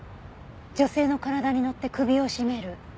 女性の体に乗って首を絞める。